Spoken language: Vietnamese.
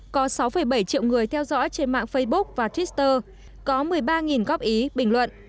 có sáu bảy triệu người theo dõi trên mạng facebook và twitter có một mươi ba góp ý bình luận